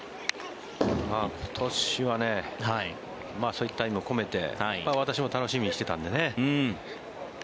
今年はそういった意味も込めて私も楽しみにしてたんでね。